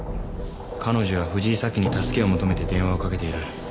彼女は藤井早紀に助けを求めて電話をかけている。